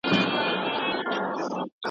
مخ به دې هسې په کعبه وي